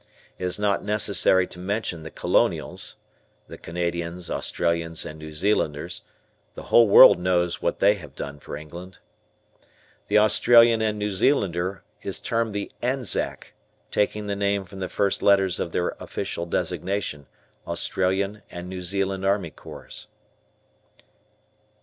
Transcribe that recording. It is not necessary to mention the Colonials (the Canadians, Australians, and New Zealanders), the whole world knows what they have done for England. The Australian and New Zealander is termed the "Anzac," taking the name from the first letters of their official designation, Australian and New Zealand Army Corps.